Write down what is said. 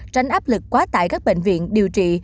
tránh áp lực quá tải các bệnh viện điều trị